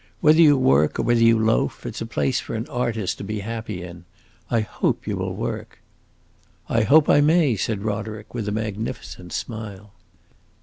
Whether you work or whether you loaf, it 's a place for an artist to be happy in. I hope you will work." "I hope I may!" said Roderick with a magnificent smile.